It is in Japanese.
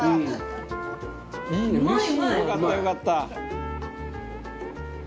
「よかったよかった」